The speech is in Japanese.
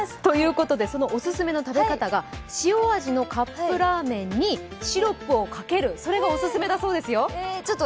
そのオススメの食べ方が塩味のカップラーメンにシロップをかける、それがオススメだそうですよ。